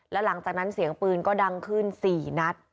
แล้วหลังจากนั้นเสียงปืนก็ดังขึ้น๔นัด